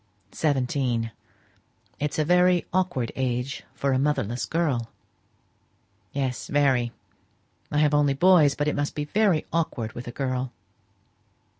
"Seventeen. It's a very awkward age for a motherless girl." "Yes; very. I have only boys, but it must be very awkward with a girl.